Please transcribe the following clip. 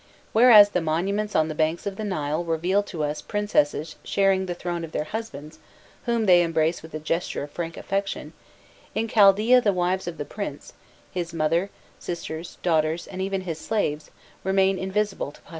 Whereas the monuments on the banks of the Nile reveal to us princesses sharing the throne of their husbands whom they embrace with a gesture of frank affection, in Chaldaea the wives of the prince, his mother, sisters, daughters, and even his slaves, remain invisible to posterity.